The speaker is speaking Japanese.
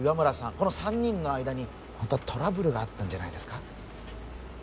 この３人の間にホントはトラブルがあったんじゃないですか？